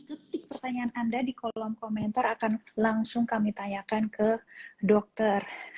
detik pertanyaan anda di kolom komentar akan langsung kami tanyakan ke dokter